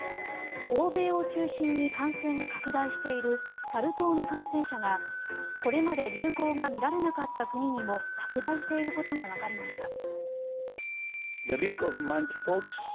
欧米を中心に感染が拡大しているサル痘の感染者が、これまで流行が見られなかった国にも拡大していることがわかりました。